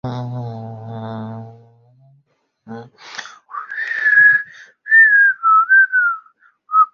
截线定理与另外两条几何定理中点定理和等比定理有密切关系。